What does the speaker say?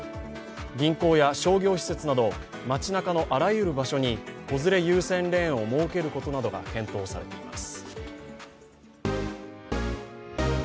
銀行や商業施設など街なかのあらゆる場所に子連れ優先レーンを設けることなどが検討されています。